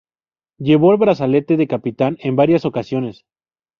Llevó el brazalete de capitán en varias ocasiones.